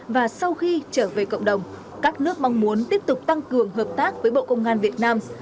và sau khi trở về cộng đồng các nước mong muốn tiếp tục tăng cường hợp tác với bộ công an việt nam